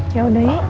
ya udah nek